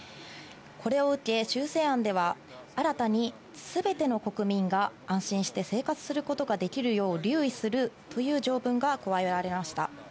これを受け、修正案では新たに全ての国民が安心して生活することができるよう留意するという条文が加えられました。